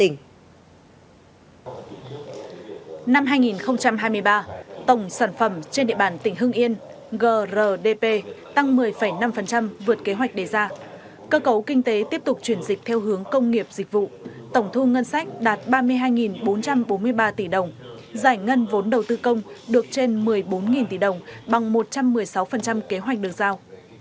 năm hai nghìn hai mươi ba tổng sản phẩm trên địa bàn tỉnh hưng yên grdp tăng một mươi năm vượt kế hoạch đề ra cơ cấu kinh tế tiếp tục chuyển dịch theo hướng công nghiệp dịch vụ tổng thu ngân sách đạt ba mươi hai bốn trăm bốn mươi ba tỷ đồng giải ngân vốn đầu tư công được trên một mươi bốn tỷ đồng bằng một trăm một mươi sáu kế hoạch được giao